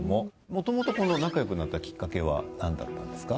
元々仲良くなったきっかけはなんだったんですか？